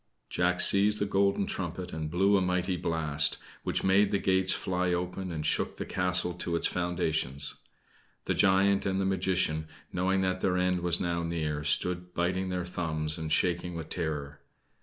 Jack seized the golden trumpet and blew a mighty blast, which made the gates fly open and shook the castle to its foundations. The giant and the magician, knowing that their end was now near, stood biting their thumbs and shaking with terror.